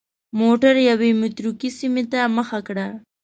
موټر یوې متروکې سیمې ته مخه کړه.